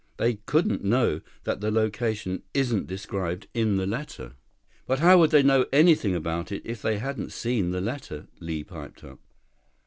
They couldn't know that the location isn't described in the letter." "But how would they know anything about it if they hadn't seen the letter?" Li piped up.